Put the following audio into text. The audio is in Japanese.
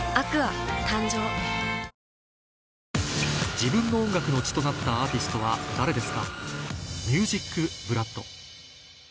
自分の音楽の血となったアーティストは誰ですか？